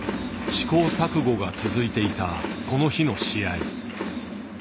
試行錯誤が続いていたこの日の試合。